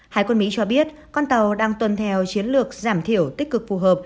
hải quân mỹ cho biết con tàu đang tuân theo chiến lược giảm thiểu tích cực phù hợp